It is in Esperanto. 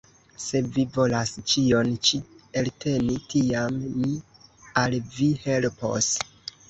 Se vi volas ĉion ĉi elteni, tiam mi al vi helpos!